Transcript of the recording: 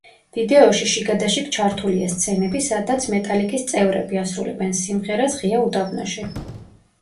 ვიდეოში შიგადაშიგ ჩართულია სცენები, სადაც მეტალიკის წევრები, ასრულებენ სიმღერას ღია უდაბნოში.